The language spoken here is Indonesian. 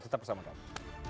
tetap bersama kami